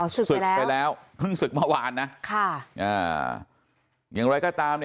อ๋อศึกไปแล้วเพิ่งศึกเมื่อวานนะค่ะอย่างไรก็ตามเนี่ย